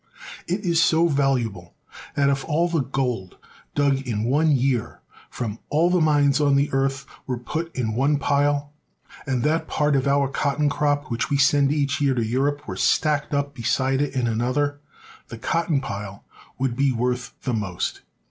It is so valuable that if all the gold dug in one year from all the mines on the earth were put in one pile, and that part of our cotton crop which we send each year to Europe were stacked up beside it in another, the cotton pile w^ould be worth the most.